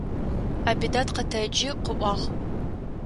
Абидат къэтэджи къыӏуагъ.